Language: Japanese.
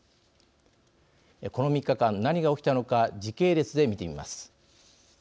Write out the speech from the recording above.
この３日間何が起きたのか時系列で見てみます。